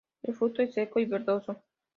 El fruto es seco y verdoso.